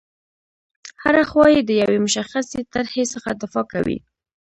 هره خوا یې د یوې مشخصې طرحې څخه دفاع کوي.